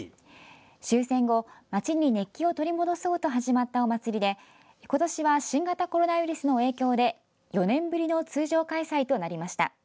終戦後、街に熱気を取り戻そうと始まったお祭りで今年は新型コロナウイルスの影響で４年ぶりの通常開催となりました。